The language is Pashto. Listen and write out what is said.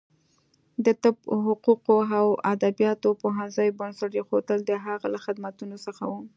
د طب، حقوقو او ادبیاتو پوهنځیو بنسټ ایښودل د هغه له خدمتونو څخه و.